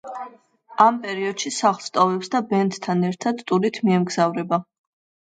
ამ პერიოდში სახლს ტოვებს და ბენდთან ერთად ტურით მიემგზავრება.